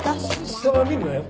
下は見るなよ？